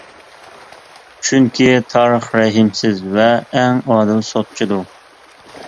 چۈنكى، تارىخ رەھىمسىز ۋە ئەڭ ئادىل سوتچىدۇر.